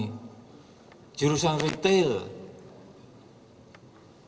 kenapa tidak ada jurusan logistik yang itu sangat dibutuhkan sekarang ini